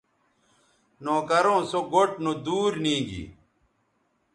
نوکروں سو گوٹھ نودور نیگی